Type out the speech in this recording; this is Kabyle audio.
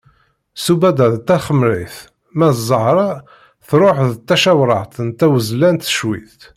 Sudaba d taxemrit ma d zahra truḥ d tacawraɣt d tawezlant cwiṭ.